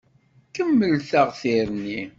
Kemmelt-aɣ tirni.